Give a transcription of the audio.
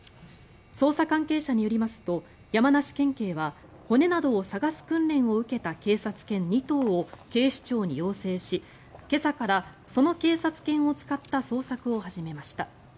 捜査関係者によりますと山梨県警は骨などを探す訓練を受けた警察犬２頭を警視庁に要請し今朝からその警察犬を使った捜索を始めました。